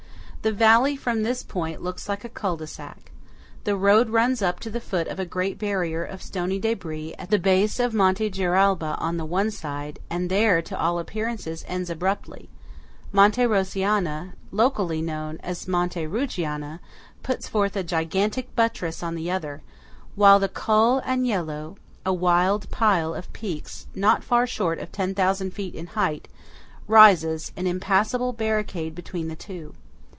The valley from this point looks like a cul de sac. The road runs up to the foot of a great barrier of stony debris at the base of Monte Giralba on the one side, and there, to all appearance, ends abruptly; Monte Rosiana (locally known as Monte Rugiana) puts forth a gigantic buttress on the other; while the Col Agnello, a wild pile of peaks not far short of 10,000 feet in height, rises, an impassable barricade, between the two.